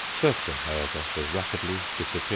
Serfdom, however, was rapidly disappearing.